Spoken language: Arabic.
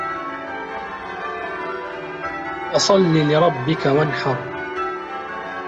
فَصَلِّ لِرَبِّكَ وَانحَر